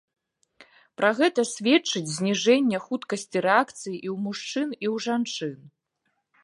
Пра гэта сведчыць зніжэнне хуткасці рэакцыі і ў мужчын, і ў жанчын.